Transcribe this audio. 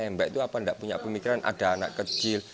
mbak itu apa nggak punya pemikiran ada anak kecil